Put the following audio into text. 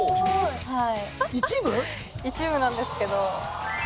一部なんですけど。